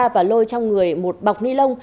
và lôi trong người một bọc ni lông